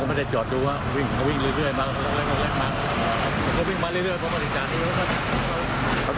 คุณตี้ไหนกับเขาด้วย